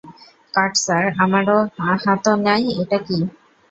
কাট sir, আমার হাতও নাই, এটা কি?